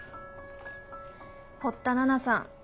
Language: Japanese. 堀田奈々さん。